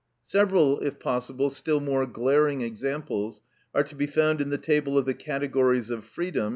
Several, if possible, still more glaring examples are to be found in the table of the _Categories of Freedom!